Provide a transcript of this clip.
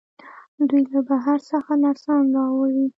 دوی له بهر څخه نرسان راوړي.